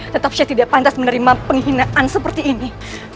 tetap saya tidak pantas menerima penghinaan seperti ini